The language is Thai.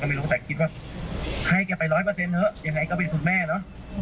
ก็ไม่รู้แต่คิดว่าให้แกไปยังไงก็เป็นคุณแม่เนอะ